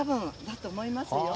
だと思いますよ。